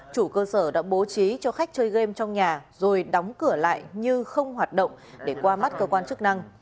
chủ cơ sở đã bố trí cho khách chơi game trong nhà rồi đóng cửa lại nhưng không hoạt động để qua mắt cơ quan chức năng